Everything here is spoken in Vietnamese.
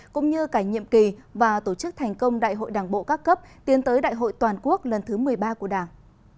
cũng như cả nhiệm kỳ và tổ chức thành công đại hội đảng bộ các cấp tiến tới đại hội toàn quốc lần thứ một mươi ba của đảng